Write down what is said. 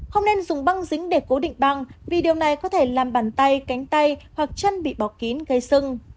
không nên dùng băng dính để cố định băng vì điều này có thể làm bàn tay cánh tay hoặc chân bị bọc kín gây sưng